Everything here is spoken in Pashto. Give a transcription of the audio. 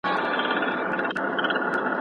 مجاهد په میدان کي د دښمن غاړه پرې کوی.